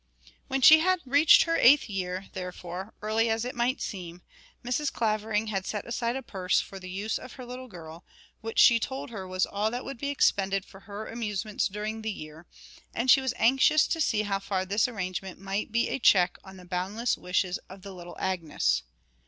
When she had reached her eighth year, therefore, early as it might seem, Mrs. Clavering had set aside a purse for the use of her little girl, which she told her was all that would be expended for her amusements during the year, and she was anxious to see how far this arrangement might be a check on the boundless wishes of the little Agnes.